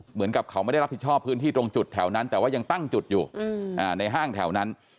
เหมือนกับเขาไม่ได้รับผิดชอบพื้นที่ตรงจุดแถวนั้นแต่ว่ายังตั้งจุดอยู่ในห้างแถวนั้น